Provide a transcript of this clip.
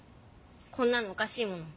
こんなのおかしいもん。